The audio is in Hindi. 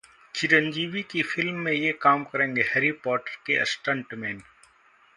चिरंजीवी की फिल्म में ये काम करेंगे हैरी पॉटर के स्टंटमैन